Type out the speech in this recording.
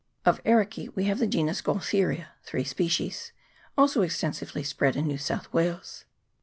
Of Ericece we have the genus Gaultheria (3 species), also extensively spread in New South Wales.